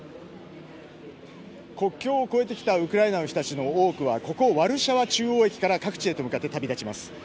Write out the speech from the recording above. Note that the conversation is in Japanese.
国境を越えてきたウクライナの人たちの多くはここワルシャワ中央駅から各地へ向かって旅立ちます。